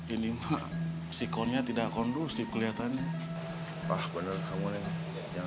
ini mah psikonya tidak kondusif kelihatannya